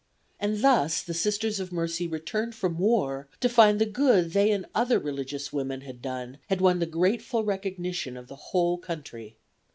And thus the Sisters of Mercy returned from war to find the good they and other religious women had done had won the grateful recognition of the whole country.